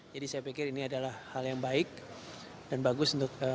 jadi saya pikir ini adalah hal yang baik dan bagus untuk